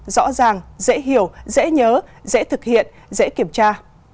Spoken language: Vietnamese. rõ ràng dễ hiểu dễ nhớ dễ thực hiện dễ kiểm tra